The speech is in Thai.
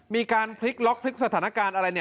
มีการพลิกล็อกพลิกสถานการณ์อะไร